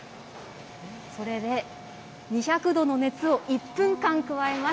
それで、２００度の熱を１分間加えます。